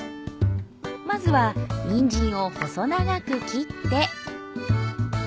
まずはニンジンを細長く切って。